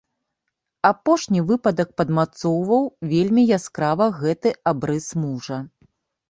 Апошні выпадак падмацоўваў вельмі яскрава гэты абрыс мужа.